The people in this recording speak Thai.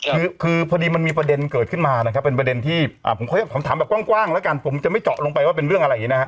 คือคือพอดีมันมีประเด็นเกิดขึ้นมานะครับเป็นประเด็นที่ผมขอถามแบบกว้างแล้วกันผมจะไม่เจาะลงไปว่าเป็นเรื่องอะไรอย่างนี้นะฮะ